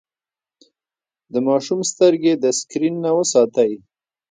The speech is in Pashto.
د ماشوم سترګې د سکرين نه وساتئ.